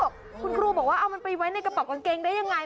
บอกคุณครูบอกว่าเอามันไปไว้ในกระเป๋ากางเกงได้ยังไง